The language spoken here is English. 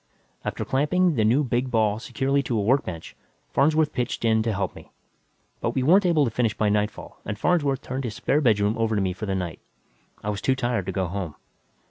After clamping the new big ball securely to a workbench, Farnsworth pitched in to help me. But we weren't able to finish by nightfall and Farnsworth turned his spare bedroom over to me for the night. I was too tired to go home.